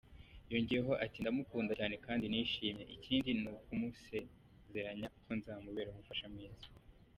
Yongeyeho ati "Ndamukunda cyane kandi nishimye, ikindi ni ukumusezeranya ko nzamubera umufasha mwiza.